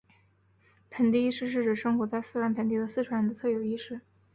盆地意识是指生活在四川盆地的四川人的特有意识。